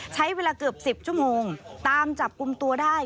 ใช้เวลาเกือบ๑๐ชั่วโมงตามจับกลุ่มตัวได้